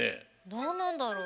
なんなんだろうね。